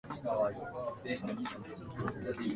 So, Charles Darwin: Can you survive?